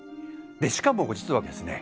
しかも実はですね